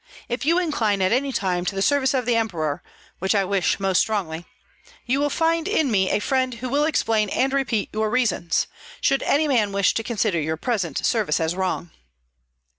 If you incline at any time to the service of the emperor, which I wish most strongly, you will find in me a friend who will explain and repeat your reasons, should any man wish to consider your present service as wrong."